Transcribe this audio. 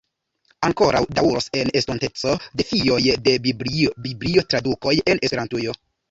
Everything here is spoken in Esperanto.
Ankoraŭ daŭros en estonteco defioj de Biblio-tradukoj en Esperantujo.